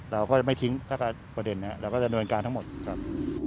เราก็จะไม่ทิ้งประเด็นนี้เราก็จะเนินการทั้งหมดครับ